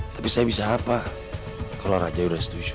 tapi saya bisa apa kalo raja udah setuju